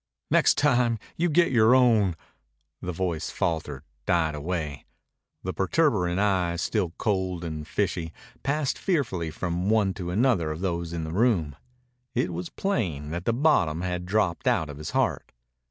"Next time you get your own " The voice faltered, died away. The protuberant eyes, still cold and fishy, passed fearfully from one to another of those in the room. It was plain that the bottom had dropped out of his heart.